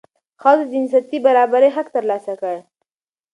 ښځو د جنسیتي برابرۍ حق ترلاسه کړ.